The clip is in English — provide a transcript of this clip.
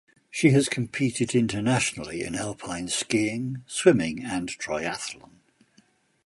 She has competed internationally in alpine skiing, swimming and triathlon.